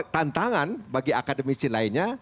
tantangan bagi akademisi lainnya